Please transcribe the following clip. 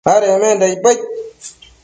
adecmenda icpaid